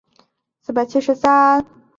韦尔代人口变化图示